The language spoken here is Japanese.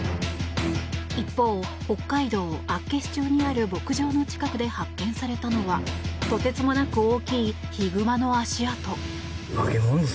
一方、北海道厚岸町にある牧場の近くで発見されたのはとてつもなく大きいヒグマの足跡。